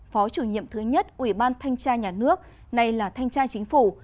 phó chủ nhiệm thứ nhất ủy ban thanh tra nhà nước nay là thanh tra chính phủ